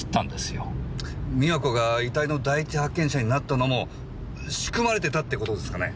美和子が遺体の第一発見者になったのも仕組まれてたってことですかね？